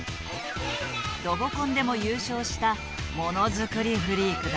ロボコンでも優勝したモノづくりフリークだ。